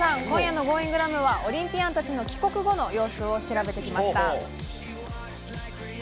今夜のＧｏｉｎｇｒａｍはオリンピアンたちの帰国後の様子を調べてきました。